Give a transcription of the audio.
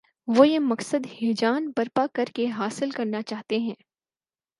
وہ یہ مقصد ہیجان برپا کر کے حاصل کرنا چاہتے ہیں۔